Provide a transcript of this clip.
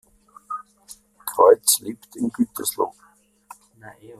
Kreutz lebt in Gütersloh.